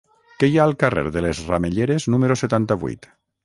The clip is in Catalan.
Què hi ha al carrer de les Ramelleres número setanta-vuit?